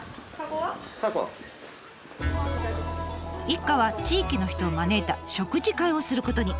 一家は地域の人を招いた食事会をすることに。